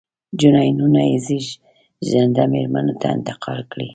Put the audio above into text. جینونه یې زېږنده مېرمنو ته انتقال کړي.